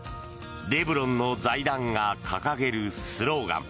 レブロンの財団が掲げるスローガン。